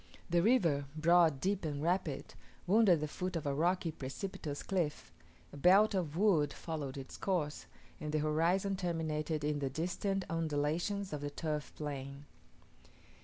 The river, broad, deep, and rapid, wound at the foot of a rocky precipitous cliff: a belt of wood followed its course, and the horizon terminated in the distant undulations of the turf plain.